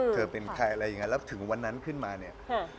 เธอเป็นใครอะไรยังไงแล้วถึงวันนั้นขึ้นมาเนี่ย